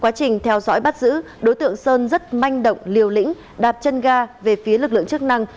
quá trình theo dõi bắt giữ đối tượng sơn rất manh động liều lĩnh đạp chân ga về phía lực lượng chức năng